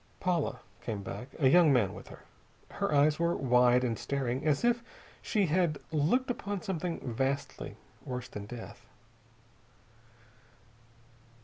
Paula came back, a young man with her. Her eyes were wide and staring, as if she had looked upon something vastly worse than death.